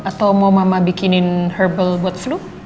atau mau mama bikinin herbal buat flu